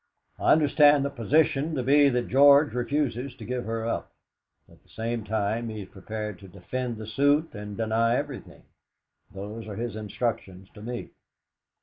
"I understand the position to be that George refuses to give her up; at the same time he is prepared to defend the suit and deny everything. Those are his instructions to me."